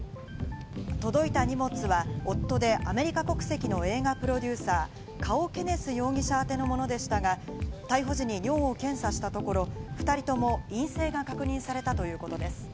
届いた荷物は、夫でアメリカ国籍の映画プロデューサー、カオ・ケネス容疑者宛てのものでしたが、逮捕時に尿を検査したところ、２人とも陰性が確認されたということです。